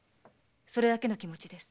それだけの気持ちです。